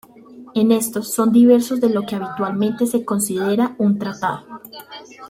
En esto son diversos de lo que habitualmente se considera un tratado.